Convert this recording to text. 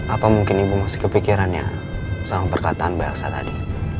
apa mungkin ibu masih kepikiran ya sama perkataan bel saya tadi